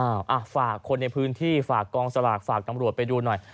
อ่ะฝากคนในพื้นที่ฝากกองสลากฝากตำรวจไปดูหน่อย